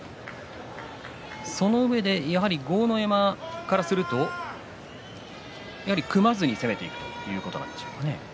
そのうえでやはり豪ノ山からすると組まずに攻めていくということなんでしょうかね。